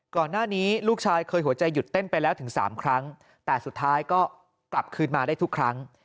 ก่อนหน้านี้ลูกชายเคยหัวใจหยุดเต้นไปแล้วถึง๓ครั้งแต่สุดท้ายก็กลับคืนมาได้ทุกครั้ง